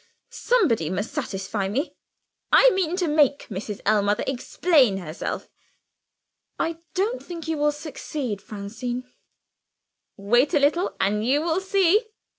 Somebody must satisfy me. I mean to make Mrs. Ellmother explain herself." "I don't think you will succeed, Francine." "Wait a little, and you will see.